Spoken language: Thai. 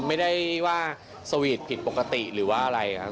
ไม่ได้ว่าสวีทผิดปกติหรือว่าอะไรครับ